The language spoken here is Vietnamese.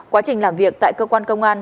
quá trình làm việc tại cơ quan công an